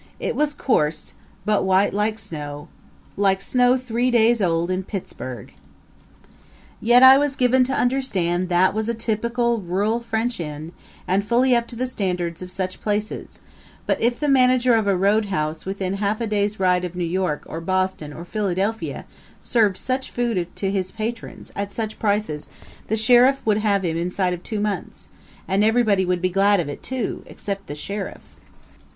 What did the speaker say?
It was coarse, but white like snow like snow three days old in Pittsburgh. Yet I was given to understand that was a typical rural French inn and fully up to the standards of such places; but if the manager of a roadhouse within half a day's ride of New York or Boston or Philadelphia served such food to his patrons, at such prices, the sheriff would have him inside of two months; and everybody would be glad of it too except the sheriff.